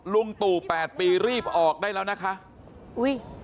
ลุงตู่แปดปีรีบออกได้แล้วนะคะอุ้ย